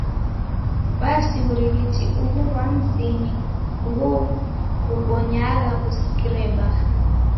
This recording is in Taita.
Basi wur'ighiti ughu ghwa mzinyi ghukubonyagha kusikire baa.